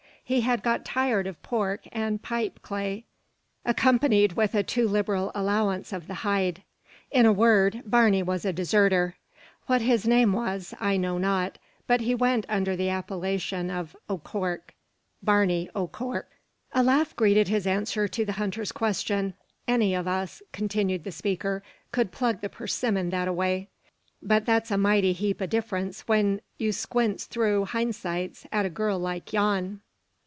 He had got tired of pork and pipe clay, accompanied with a too liberal allowance of the hide. In a word, Barney was a deserter. What his name was, I know not, but he went under the appellation of O'Cork Barney O'Cork. A laugh greeted his answer to the hunter's question. "Any o' us," continued the speaker, "could plug the persimmon that a way. But thar's a mighty heap o' diff'rence when you squints thro' hind sights at a girl like yon."